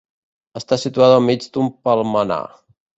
Està situada al mig d'un palmerar.